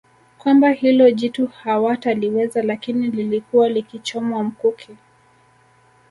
Kwamba hilo jitu hawataliweza lakini lilikuwa likichomwa mkuki